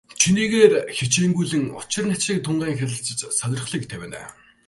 Чинээгээр хичээнгүйлэн учир начрыг тунгаан хэлэлцэж, сонирхлыг тавина.